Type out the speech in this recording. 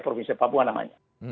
provinsi papua namanya